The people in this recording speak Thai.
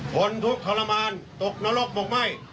ผลทุกข์ขอรมณ์ตกนรกหมกไม่